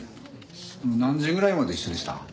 何時ぐらいまで一緒でした？